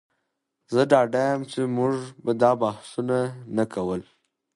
زه ډاډه یم چې موږ به دا بحثونه نه کول